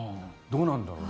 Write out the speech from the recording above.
どうなんだろう。